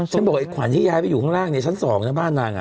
บอกไอ้ขวัญที่ย้ายไปอยู่ข้างล่างในชั้น๒นะบ้านนาง